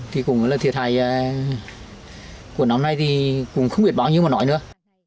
thì cũng là thiệt hại của nó này thì cũng không biết bao nhiêu mà nói nữa